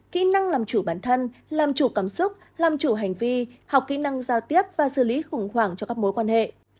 kỹ năng làm chủ bản thân làm chủ cảm xúc làm chủ hành vi học kỹ năng giao tiếp và xử lý khủng hoảng cho các mối quan hệ